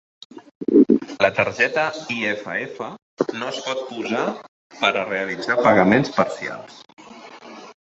La targeta Iff no es pot usar per a realitzar pagaments parcials.